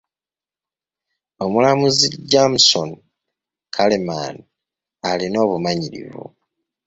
Omulamuzi Jamson Kareman alina obumanyirivu.